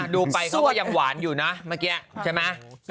ดูไปเขาก็ยังหวานอยู่นะเมื่อกี้ใช่ไหม